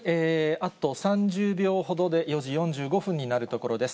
あと３０秒ほどで４時４５分になるところです。